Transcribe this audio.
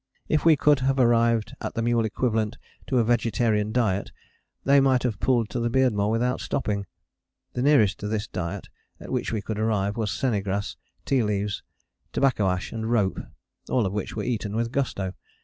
If we could have arrived at the mule equivalent to a vegetarian diet they might have pulled to the Beardmore without stopping. The nearest to this diet at which we could arrive was saennegrass, tea leaves, tobacco ash and rope all of which were eaten with gusto.